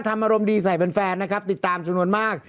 ทำอารมณ์ดีใส่เป็นแฟนนะครับติดตามจุดมนต์มาก